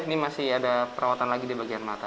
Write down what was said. ini masih ada perawatan lagi di bagian mata